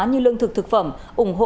như lương thực thực phẩm ủng hộ